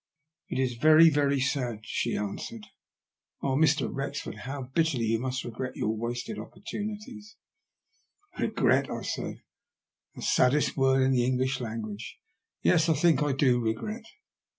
"It is very, very sad," she answered. " Oh, Mr, Wrexford, how bitterly you must regret your wasted opportunities." 143 THE LUST OF HATB. <i Begret 1 " I said. The saddest word in ihe English language. Tes, I think I do regret.'